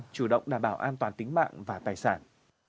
chủ động đảm bảo an toàn tính mạng và tài sản